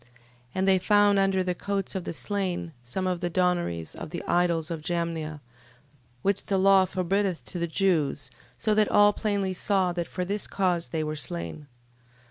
And they found under the coats of the slain, some of the donaries of the idols of Jamnia, which the law forbiddeth to the Jews: so that all plainly saw, that for this cause they were slain.